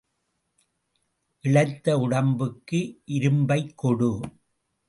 இளைத்த உடம்புக்கு இரும்பைக் கொடு.